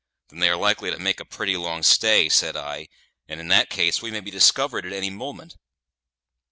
"Then they are likely to make a pretty long stay," said I; "and, in that case, we may be discovered at any moment."